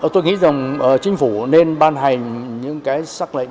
tôi nghĩ rằng chính phủ nên ban hành những sắc lệnh